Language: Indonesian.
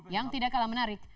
yang tidak kalah menarik